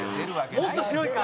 もっと白いか？